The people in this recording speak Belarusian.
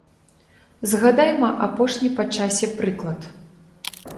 Згадайма апошні па часе прыклад.